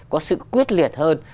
có sự quyết liệt hơn